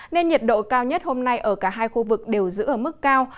nên nhiệt độ cao nhất hôm nay ở cả hai khu vực đều giữ ở mức cao